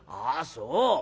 「あそう。